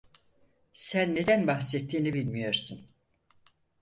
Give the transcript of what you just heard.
Sen neden bahsettiğini bilmiyorsun.